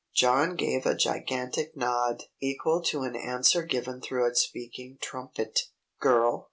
John gave a gigantic nod, equal to an answer given through a speaking trumpet. "Girl?"